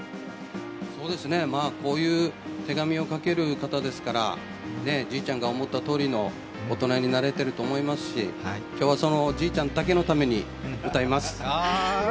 そうですね、まあ、こういう手紙を書ける方ですから、じいちゃんが思ったとおりの大人になれてると思いますし、今日はそのじいちゃんだけのために歌います。